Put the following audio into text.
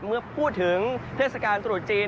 เมื่อพูดถึงเทศกาลตรุษจีน